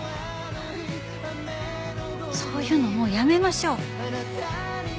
そういうのもうやめましょう。